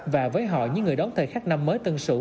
và với họ những người đón thời khắc năm mới tân sự